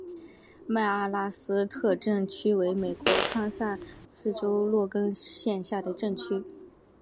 麦阿拉斯特镇区为美国堪萨斯州洛根县辖下的镇区。